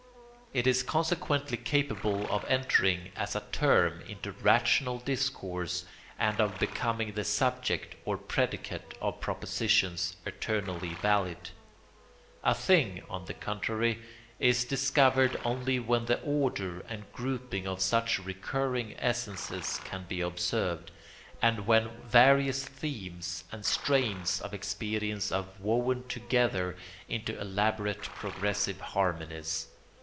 It is consequently capable of entering as a term into rational discourse and of becoming the subject or predicate of propositions eternally valid. A thing, on the contrary, is discovered only when the order and grouping of such recurring essences can be observed, and when various themes and strains of experience are woven together into elaborate progressive harmonies.